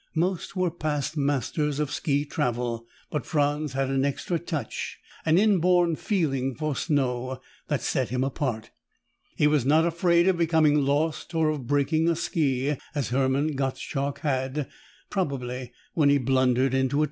Most were past masters of ski travel, but Franz had an extra touch, an inborn feeling for snow, that set him apart. He was not afraid of becoming lost or of breaking a ski, as Hermann Gottschalk had, probably when he blundered into a tree trunk.